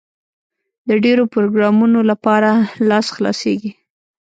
د ډېرو پروګرامونو لپاره لاس خلاصېږي.